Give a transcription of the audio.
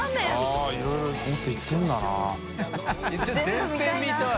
全編見たい。